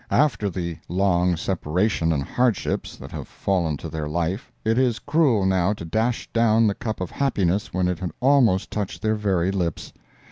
After the long separation and the hardships that have fallen to their life, it is cruel now to dash down the cup of happiness when it had almost touched their very lips.